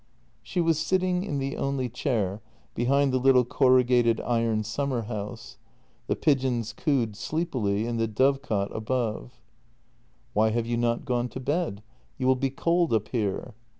She was sitting in the only chair, behind the little corrugated iron summer house. The pigeons cooed sleepily in the dovecot above. JENNY 261 "Why have you not gone to bed? You will be cold up here."